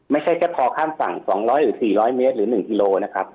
ไม่ใช่แค่พอข้ามฝั่ง๒๐๐หรือ๔๐๐เมตรหรือ๑กิโลนะครับ